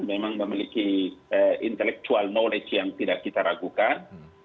memang memiliki intellectual knowledge yang tidak kita ragukan